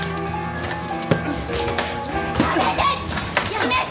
やめて！